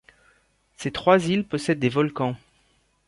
Ces trois îles possèdent des volcans.